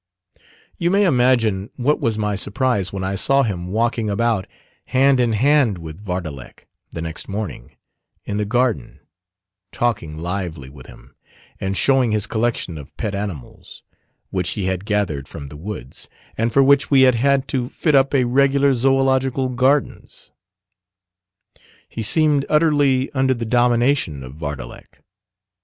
You may imagine what was my surprise when I saw him walking about hand in hand with Vardalek the next morning, in the garden, talking lively with him, and showing his collection of pet animals, which he had gathered from the woods, and for which we had had to fit up a regular zoological gardens. He seemed utterly under the domination of Vardalek.